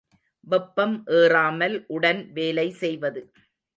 வெப்பம் ஏறாமல் உடன் வேலை செய்வது.